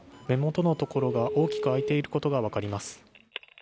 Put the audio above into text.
目元のところが大きく開いていることが分かります。